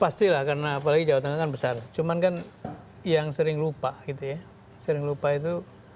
pastilah karena apalagi jawa tengah kan besar cuman kan yang sering lupa gitu ya sering lupa itu